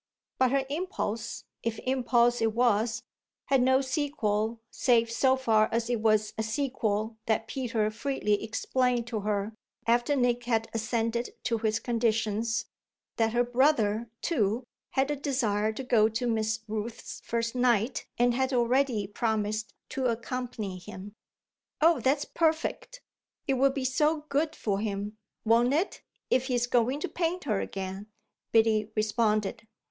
But her impulse, if impulse it was, had no sequel save so far as it was a sequel that Peter freely explained to her, after Nick had assented to his conditions, that her brother too had a desire to go to Miss Rooth's first night and had already promised to accompany him. "Oh that's perfect; it will be so good for him won't it? if he's going to paint her again," Biddy responded.